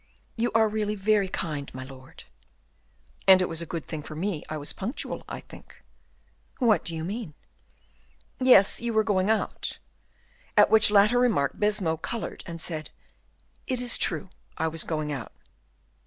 "You are really very kind, my lord." "And it was a good thing for me I was punctual, I think." "What do you mean?" "Yes, you were going out." At which latter remark Baisemeaux colored and said, "It is true I was going out."